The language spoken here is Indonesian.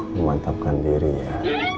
memantapkan diri ya